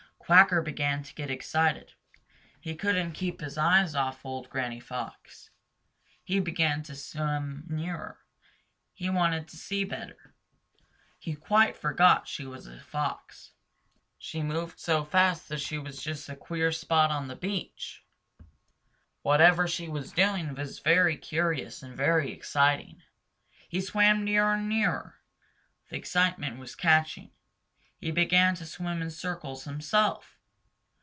Quacker began to get excited. He couldn't keep his eyes off Old Granny Fox. He began to swim nearer. He wanted to see better. He quite forgot she was a Fox. She moved so fast that she was just a queer red spot on the beach. Whatever she was doing was very curious and very exciting. He swam nearer and nearer. The excitement was catching. He began to swim in circles himself.